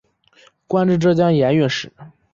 官至浙江盐运使。